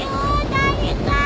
誰か！